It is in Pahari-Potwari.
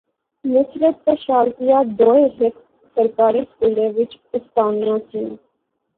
نصرت تے شازیہ دوئے ہیک سرکاری سکولے وچ اُستانیاں سیاں